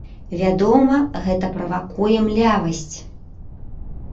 Вядома, гэта правакуе млявасць!